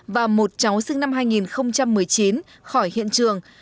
và một cháu sinh năm hai nghìn một mươi chín khỏi hiện trường